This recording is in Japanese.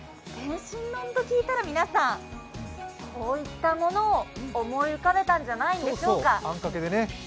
天津丼と聞いたら皆さん、こういったものを思い浮かべたんじゃないでしょうか？